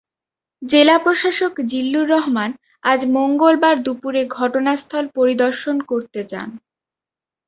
জেলা প্রশাসক জিল্লুর রহমান আজ মঙ্গলবার দুপুরে ঘটনাস্থল পরিদর্শন করতে যান।